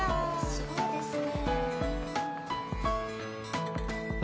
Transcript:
そうですね。